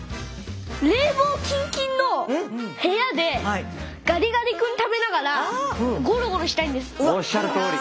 冷房キンキンの部屋でガリガリ君食べながらおっしゃるとおり！